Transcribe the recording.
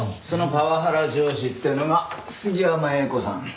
そのパワハラ上司っていうのが杉山英子さん。